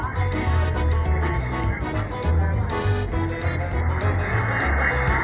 ตัวใกล้สิน